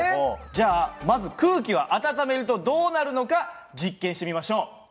じゃあまず空気は温めるとどうなるのか実験してみましょう。